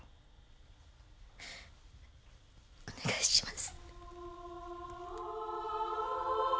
お願いします